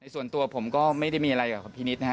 ส่วนตัวผมก็ไม่ได้มีอะไรกับพี่นิดนะฮะ